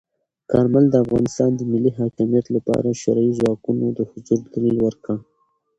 کارمل د افغانستان د ملی حاکمیت لپاره د شوروي ځواکونو د حضور دلیل ورکړ.